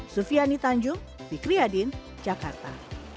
sufiani tanjung fikri adin jakarta